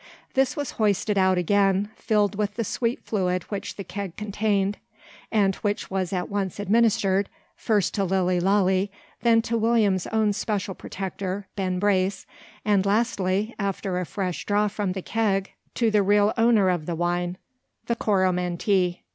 This was hoisted out again, filled with the sweet fluid which the keg contained; and which was at once administered, first to Lilly Lalee, then to William's own especial protector, Ben Brace; and lastly, after a fresh draw from the keg, to the real owner of the wine, the Coromantee.